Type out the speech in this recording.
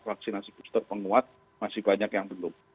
vaksinasi booster penguat masih banyak yang belum